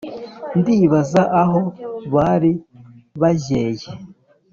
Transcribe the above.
ndibaza aho bari bajyeye